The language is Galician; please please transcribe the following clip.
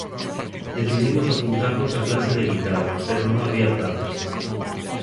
Decidimos apuntarnos a clase de guitarra pero non había prazas.